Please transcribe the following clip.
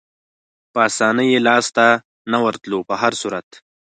په اسانۍ یې لاسته نه ورتلو، په هر صورت.